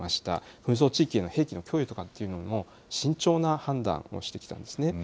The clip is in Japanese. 紛争地域への兵器の供与とかいうのも慎重な判断をしてきたんですね。